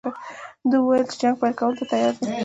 ده وویل چې جنګ پیل کولو ته تیار دی.